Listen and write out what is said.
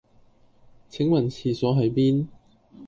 請問廁所喺邊？